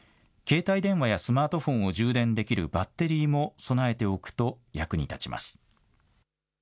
携帯電話やスマートフォンを充電できるバッテリーも備えておくと役に立ちます。